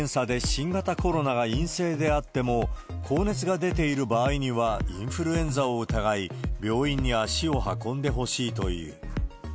自宅での簡易検査で新型コロナが陰性であっても、高熱が出ている場合には、インフルエンザを疑い、病院に足を運んでほしいという。